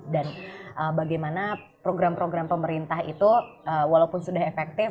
dan bagaimana program program pemerintah itu walaupun sudah efektif